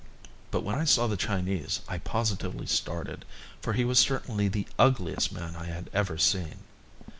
But when I saw the Chinese I positively started, for he was certainly the ugliest man I had ever seen.